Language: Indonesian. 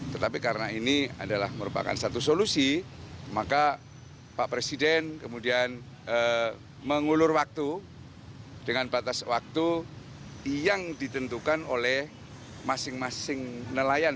tetapi karena ini adalah merupakan satu solusi maka pak presiden kemudian mengulur waktu dengan batas waktu yang ditentukan oleh masing masing nelayan